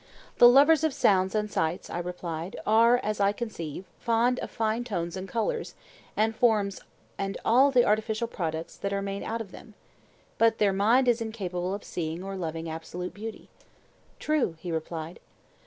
The lovers of sounds and sights, I replied, are, as I conceive, fond of fine tones and colours and forms and all the artificial products that are made out of them, but their mind is incapable of seeing or loving absolute beauty. True, he replied.